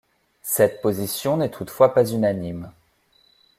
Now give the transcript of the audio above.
Cette position n'est toutefois pas unanime.